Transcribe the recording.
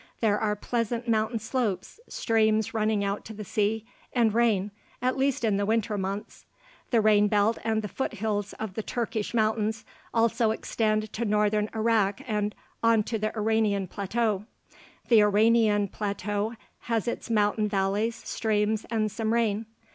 There are pleasant mountain slopes, streams running out to the sea, and rain, at least in the winter months. The rain belt and the foothills of the Turkish mountains also extend to northern Iraq and on to the Iranian plateau. The Iranian plateau has its mountain valleys, streams, and some rain.